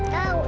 tidak tahu deh